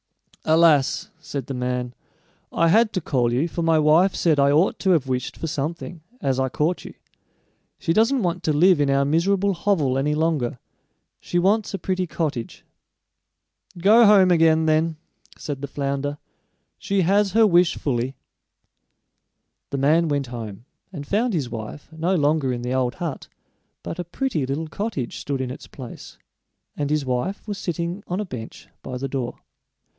"Alas!" said the man; "I had to call you, for my wife said I ought to have wished for something, as I caught you. She doesn't want to live in our miserable hovel any longer; she wants a pretty cottage." "Go home again, then," said the flounder; "she has her wish fully." The man went home and found his wife no longer in the old hut, but a pretty little cottage stood in its place, and his wife was sitting on a bench by the door.